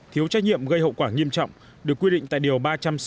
thiếu trách nhiệm gây hậu quả nghiêm trọng được quy định tại điều ba trăm sáu mươi